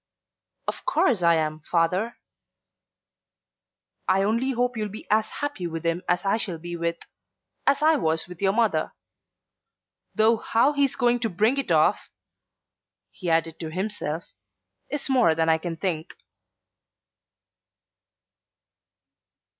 "Of course I am, Father." "I only hope you'll be as happy with him as I shall be with as I was with your mother. Though how he's going to bring it off," he added to himself, "is more than I can think."